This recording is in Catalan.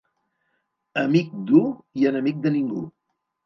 Amic d'u i enemic de ningú.